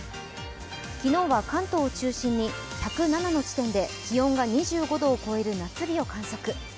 昨日は関東を中心に１０７の地点で気温が２５度を超える夏日を観測。